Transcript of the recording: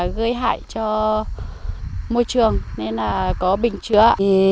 gây hại cho môi trường nên là có bình chứa